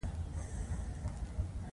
آیا دوی د تیلو او وریجو تجارت نه کوي؟